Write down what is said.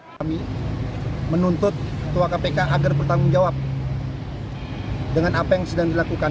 kami menuntut ketua kpk agar bertanggung jawab dengan apa yang sedang dilakukan